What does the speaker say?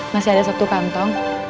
masih ada satu kantong